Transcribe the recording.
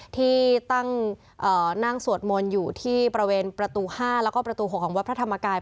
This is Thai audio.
ที่นั่งสวดมนต์อยู่ที่บริเวณประตู๕แล้วก็ประตู๖ของวัดพระธรรมกาย